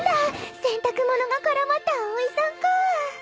洗濯物が絡まったアオイさんかぁ。